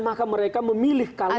maka mereka memilih kalimat